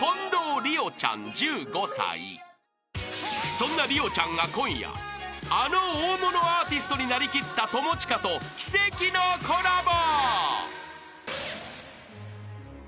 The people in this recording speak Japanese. ［そんな莉桜ちゃんが今夜あの大物アーティストに成りきった友近と奇跡のコラボ］